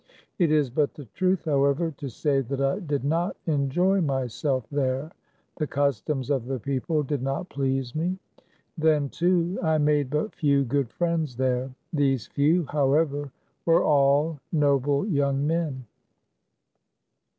It is but the truth, however, to say that I did not enjoy myself there. The customs of the people did not please me. Then, too, I made but few good friends there. These few, however, were all noble young men.